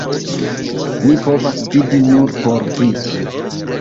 Mi povas vivi nur por vi!